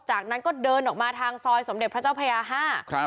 จากนั้นก็เดินออกมาทางซอยสมเด็จพระเจ้าพระยาห้าครับ